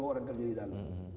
lima sepuluh orang kerja di dalam